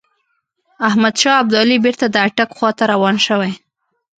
احمدشاه ابدالي بیرته د اټک خواته روان شوی.